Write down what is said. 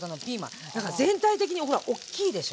何か全体的にほらおっきいでしょ？